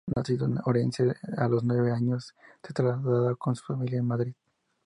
Nacido en Orense, a los nueve años se traslada con su familia a Madrid.